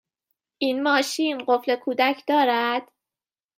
این ماشین قفل کودک دارد؟